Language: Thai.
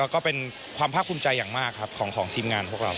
ก็เป็นความภาคภูมิใจอย่างมากครับของทีมงานพวกเรา